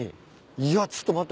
いやちょっと待って。